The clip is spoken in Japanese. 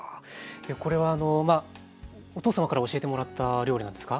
これはお父様から教えてもらった料理なんですか？